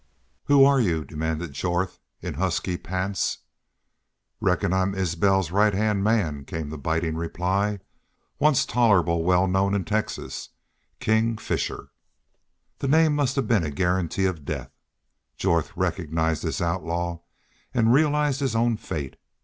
"Who're you?" demanded Jorth, in husky pants. "Reckon I'm Isbel's right hand man," came the biting reply. "Once tolerable well known in Texas.... KING FISHER!" The name must have been a guarantee of death. Jorth recognized this outlaw and realized his own fate.